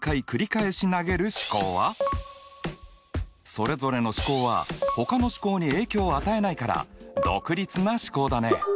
それぞれの試行はほかの試行に影響を与えないから独立な試行だね。